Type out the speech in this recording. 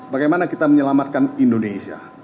bagaimana kita menyelamatkan indonesia